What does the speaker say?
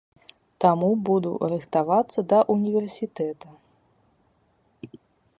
Таму буду рыхтавацца да ўніверсітэта.